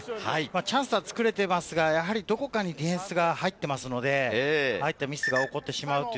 チャンスは作れていますが、やはり、どこかにディフェンスが入っていますので、ああいったミスが起こってしまう。